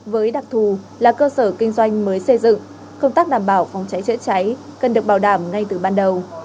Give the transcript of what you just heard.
với đặc thù là cơ sở kinh doanh mới xây dựng công tác đảm bảo phòng cháy chữa cháy cần được bảo đảm ngay từ ban đầu